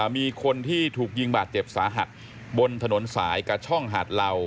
มีคนที่ถูกยิงบาดเจ็บสาหัสบนถนนสายกระช่องหาดเหล่า